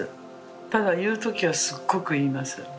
ただ言う時はすっごく言います。